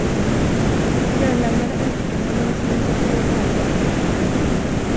Och grönländarna älskade honom som en bror och välgörare.